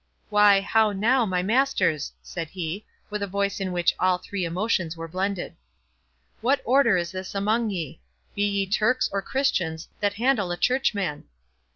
"Why, how now, my masters?" said he, with a voice in which all three emotions were blended. "What order is this among ye? Be ye Turks or Christians, that handle a churchman?